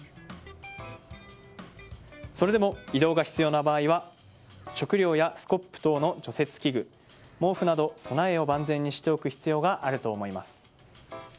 それでも移動が必要な場合は食料やスコップ等の除雪器具毛布など備えを万全にしておく必要があるかと思います。